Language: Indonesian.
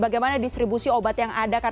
bagaimana distribusi obat yang ada